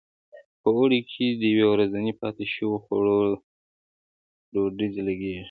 په اوړي کې د یوې ورځې پاتې شو خوړو ډډوزې لګېږي.